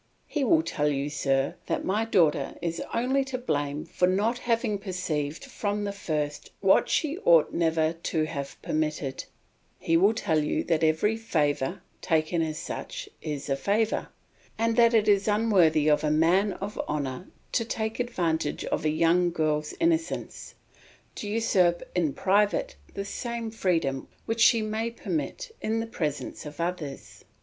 He will tell you, sir, that my daughter is only to blame for not having perceived from the first what she ought never to have permitted; he will tell you that every favour, taken as such, is a favour, and that it is unworthy of a man of honour to take advantage of a young girl's innocence, to usurp in private the same freedom which she may permit in the presence of others.